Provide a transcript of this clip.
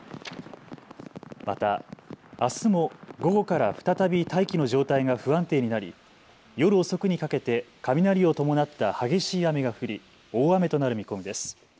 またあすも午後から再び大気の状態が不安定になり夜遅くにかけて雷を伴った激しい雨が降り大雨となる見込みです。